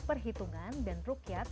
perhitungan dan rukyat